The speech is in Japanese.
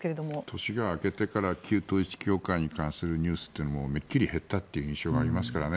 年が明けてから旧統一教会に関するニュースもめっきり減ったという印象がありますからね。